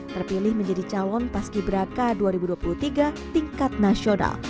terpilih menjadi calon paski braka dua ribu dua puluh tiga tingkat nasional